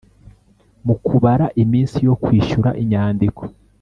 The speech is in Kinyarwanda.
Mu kubara iminsi yo kwishyura inyandiko